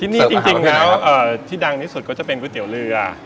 ที่นี่จริงแล้วที่ดังที่สุดก็จะเป็นก๋วยเตี๋ยวเรือ